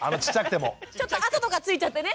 ちょっと跡とかついちゃってね。